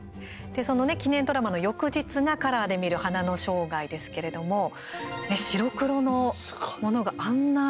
そのね記念ドラマの翌日がカラーで見る「花の生涯」ですけれども白黒のものがあんな